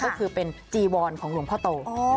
ก็คือเป็นจีวรของหลวงพ่อโต